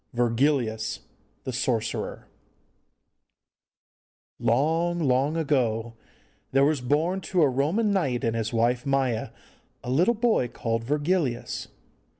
VIRGILIUS THE SORCERER Long, long ago there was born to a Roman knight and his wife Maja a little boy called Virgilius.